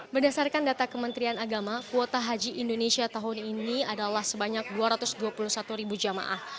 berdasarkan data kementerian agama kuota haji indonesia tahun ini adalah sebanyak dua ratus dua puluh satu ribu jamaah